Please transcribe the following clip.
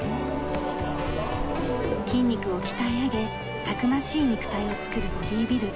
筋肉を鍛え上げたくましい肉体をつくるボディビル。